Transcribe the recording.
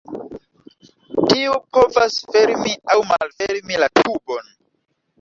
Tiu povas fermi aŭ malfermi la tubon.